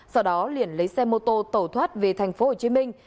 sau đó liền lấy xe mô tô tẩu thoát về thành phố hồ chí minh